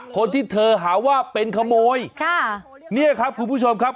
คนที่เธอหาว่าเป็นขโมยค่ะเนี่ยครับคุณผู้ชมครับ